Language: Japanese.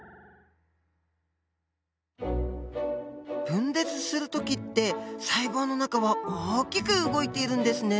分裂する時って細胞の中は大きく動いているんですね。